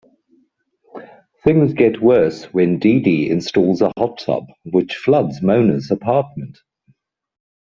Things get worse when Dee Dee installs a hot tub, which floods Mona's apartment.